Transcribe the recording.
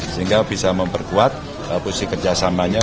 sehingga bisa memperkuat fungsi kerjasamanya